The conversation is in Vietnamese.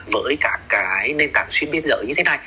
với cả nền tảng xuyên biên giới như thế này